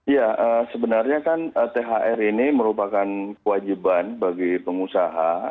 ya sebenarnya kan thr ini merupakan kewajiban bagi pengusaha